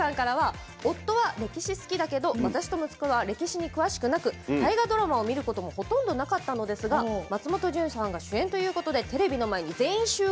夫は歴史好きだけど私と息子は歴史に詳しくなく大河ドラマを見ることはほとんどなかったのですが松本潤さんが主演ということでテレビの前に全員集合。